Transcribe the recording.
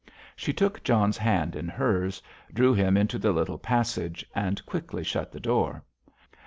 She took John's hand in hers, drew him into the little passage, and quickly shut the door.